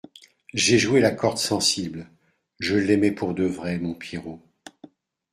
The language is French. J’ai joué la corde sensible. Je l’aimais pour de vrai, mon Pierrot !